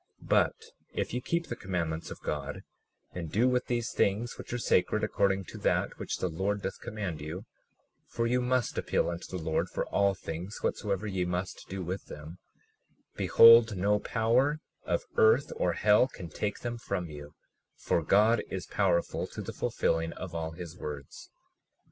37:16 But if ye keep the commandments of God, and do with these things which are sacred according to that which the Lord doth command you, (for you must appeal unto the Lord for all things whatsoever ye must do with them) behold, no power of earth or hell can take them from you, for God is powerful to the fulfilling of all his words.